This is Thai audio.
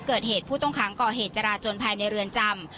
ผู้ต้องขังก่อเหตุจราจนภายในเรือนจำ